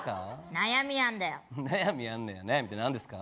悩みあんのや悩みって何ですか？